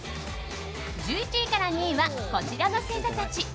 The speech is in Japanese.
１１位から２位はこちらの星座たち。